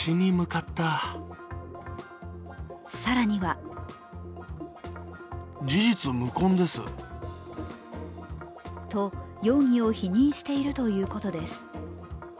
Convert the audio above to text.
更にはと容疑を否認しているということです。